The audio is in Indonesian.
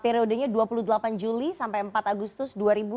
periodenya dua puluh delapan juli sampai empat agustus dua ribu dua puluh